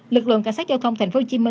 lực lượng cảnh sát giao thông tp hcm